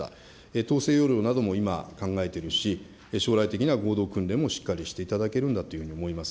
統制要領なども今、考えているし、将来的な合同訓練もしっかりしていただけるんだというふうに思います。